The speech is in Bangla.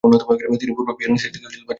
তিনি পূর্ব পিয়েরেনেস-এর দিকে যাত্রা করেন।